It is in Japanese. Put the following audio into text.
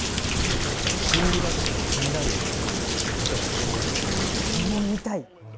心理学者が気になる人がそこにいるってことですね。